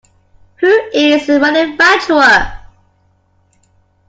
Who is the manufacturer?